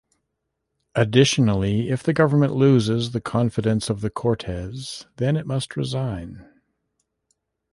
Additionally, if the Government loses the confidence of the Cortes, then it must resign.